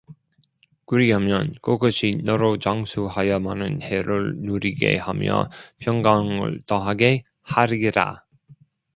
그리하면 그것이 너로 장수하여 많은 해를 누리게 하며 평강을 더하게 하리라